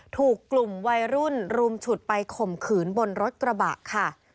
ถูกกลุ่มวัยรุ่นรุมฉุดไปข่มขืนบนรถกระบะค่ะ